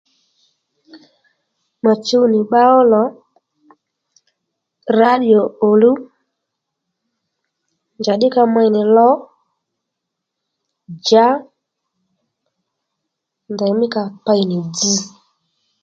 Mà chuw nì bba ó lò rǎdìo òluw njàddí ka mey nì lo, djǎ ndèymí ka pey nì dzz